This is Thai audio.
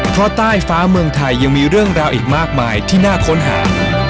เพราะใต้ฟ้าเมืองไทยยังมีเรื่องราวอีกมากมายที่น่าค้นหา